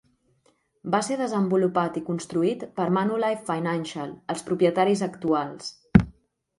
Va ser desenvolupat i construït per Manulife Financial, els propietaris actuals.